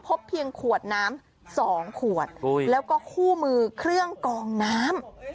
พบเพียงขวดน้ำ๒ขวดแล้วก็คู่มือเครื่องกองน้ำ